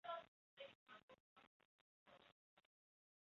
眼泪都快流出来了